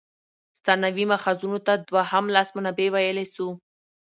ثانوي ماخذونو ته دوهم لاس منابع ویلای سو.